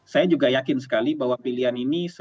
saya juga yakin sekali bahwa pilihan ini